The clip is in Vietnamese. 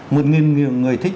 một nghìn người thích